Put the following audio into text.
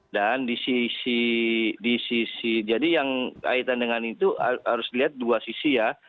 di sisi jadi yang kaitan dengan itu harus dilihat dua sisi ya